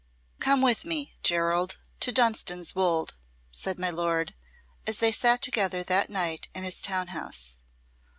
"Come with me, Gerald, to Dunstan's Wolde," said my lord, as they sat together that night in his town house.